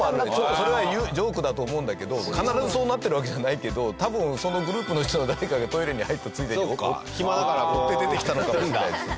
それはジョークだと思うんだけど必ずそうなってるわけじゃないけど多分そのグループの人の誰かがトイレに入ったついでに折って出てきたのかもしれないですね。